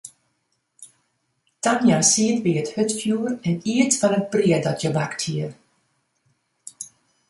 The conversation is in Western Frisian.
Tania siet by it hurdfjoer en iet fan it brea dat hja bakt hie.